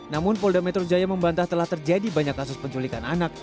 namun polda metro jaya membantah telah terjadi banyak kasus penculikan anak